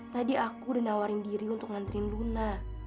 tadi aku udah nawarin diri untuk ngantri luna